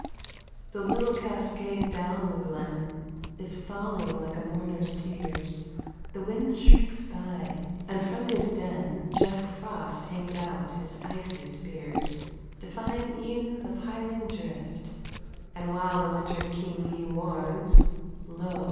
The little cascade down the glen Is falling like a mourner's tears; The wind shrieks by, and from his den Jack Frost hangs out his icy spears, Defying e'en the piling drift; And while the Winter King he warns, Lo!